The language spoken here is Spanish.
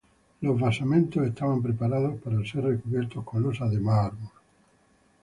Los basamentos estaban preparados para ser recubiertos con losas de mármol.